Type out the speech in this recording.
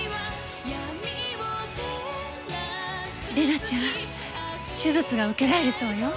玲奈ちゃん手術が受けられるそうよ。